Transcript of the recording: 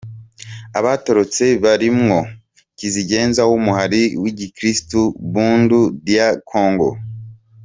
Abatorotse barimwo kizigenza w'umuhari w'igikristu Bundu dia Kongo.